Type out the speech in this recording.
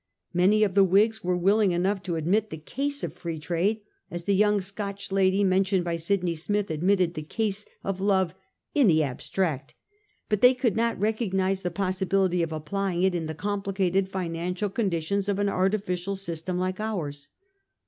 Many of the Whigs were willing enough to admit the case of Free Trade as the young Scotch lady mentioned by Sydney Smith admitted the case of love ' in the abstract ;' but they could not recognise the possibility .of applying it in the complicated financial conditions of an artificial system like ours.